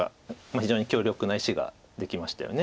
非常に強力な石ができましたよね。